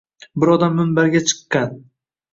Bir odam minbarga chiqiqqan.